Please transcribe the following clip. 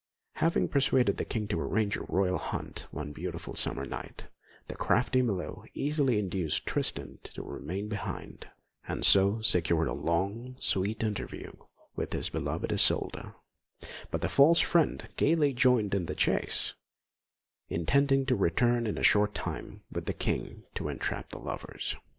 Having persuaded the King to arrange a royal hunt one beautiful summer night, the crafty Melot easily induced Tristan to remain behind, and so secure a long, sweet interview with his beloved Isolda; but the false friend gaily joined in the chase, intending to return in a short time with the King to entrap the lovers.